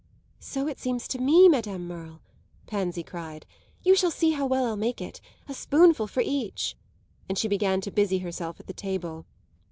"So it seems to me, Madame Merle!" Pansy cried. "You shall see how well I'll make it. A spoonful for each." And she began to busy herself at the table.